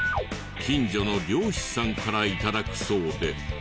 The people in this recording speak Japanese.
近所の猟師さんから頂くそうで。